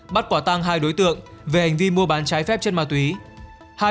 bắt quả tăng hai đối tượng về hành vi mua bán trái